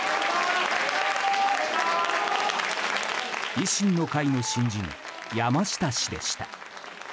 維新の会の新人山下氏でした。